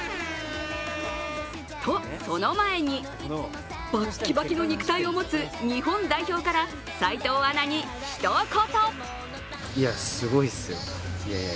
と、その前に、バッキバキの肉体を持つ日本代表から齋藤アナにひと言。